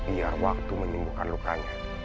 biar waktu menimbulkan lukanya